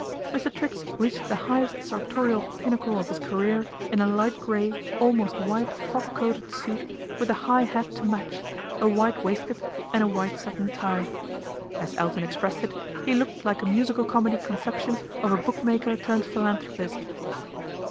Mr. Triggs reached the highest sartorial pinnacle of his career in a light grey, almost white frock coated suit with a high hat to match, a white waistcoat, and a white satin tie. As Elton expressed it, he looked like a musical comedy conception of a bookmaker turned philanthropist.